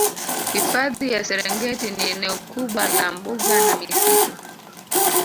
Hifadhi ya Serengeti ni eneo kubwa la mbuga na misitu